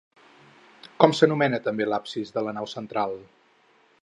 Com s'anomena també l'absis de la nau central?